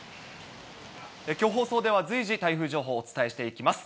きょう、放送では随時、台風情報をお伝えしていきます。